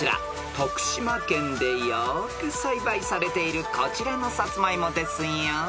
［徳島県でよく栽培されているこちらのサツマイモですよ］